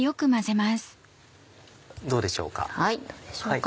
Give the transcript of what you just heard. どうでしょうか？